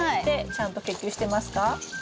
ちゃんと結球してますか？